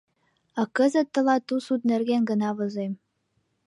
А кызыт тылат ту суд нерген гына возем.